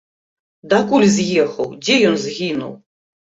Дакуль з'ехаў, дзе ён згінуў?